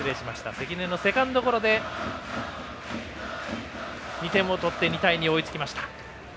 関根のセカンドゴロで２点目を取って２対２、追いつきました。